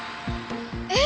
え！